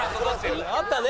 「あったね」